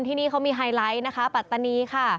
ที่นี่เขามีไฮไลท์นะคะปัตตานีค่ะ